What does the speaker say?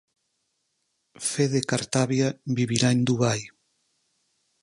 Fede Cartabia vivirá en Dubai.